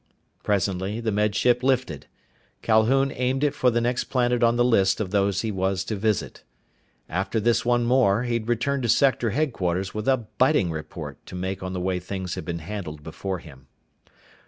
Presently the Med Ship lifted. Calhoun aimed it for the next planet on the list of those he was to visit. After this one more he'd return to sector headquarters with a biting report to make on the way things had been handled before him.